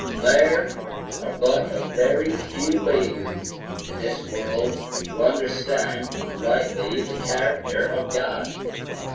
There are but a very few beings in the world who understand rightly the character of God.